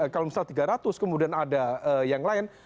kalau misal tiga ratus kemudian ada yang lain